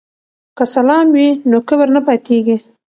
که سلام وي نو کبر نه پاتیږي.